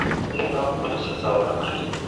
دې ته هم خپله سزا ورکړئ.